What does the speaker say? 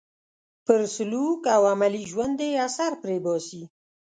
پر سلوک او عملي ژوند یې اثر پرې باسي.